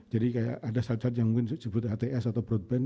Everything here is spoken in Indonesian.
jadi kayak ada saljad yang mungkin disebut ats atau broadband